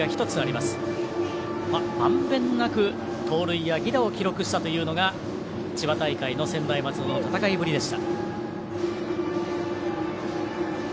まんべんなく盗塁や犠打を記録したというのが千葉大会の専大松戸の戦いぶりでした。